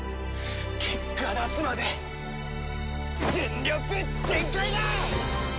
結果出すまで全力全開だ！！